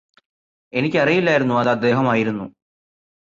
എനിക്കറിയില്ലായിരുന്നു അത് അദ്ദേഹമായിരുന്നു